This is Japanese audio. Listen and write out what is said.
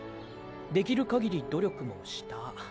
できる限り努力もしたーー。